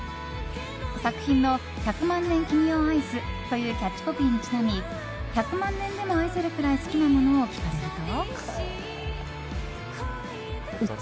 作品の「１００万年君を愛ス」というキャッチコピーにちなみ１００万年でも愛せるくらい好きなものを聞かれると。